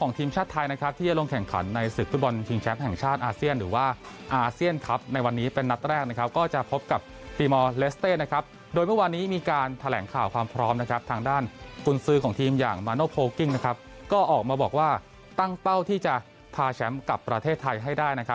ของทีมชาติไทยนะครับที่จะลงแข่งขันในศึกฟุตบอลชิงแชมป์แห่งชาติอาเซียนหรือว่าอาเซียนครับในวันนี้เป็นนัดแรกนะครับก็จะพบกับตีมอลเลสเต้นะครับโดยเมื่อวานนี้มีการแถลงข่าวความพร้อมนะครับทางด้านกุญซื้อของทีมอย่างมาโนโพลกิ้งนะครับก็ออกมาบอกว่าตั้งเป้าที่จะพาแชมป์กลับประเทศไทยให้ได้นะครับ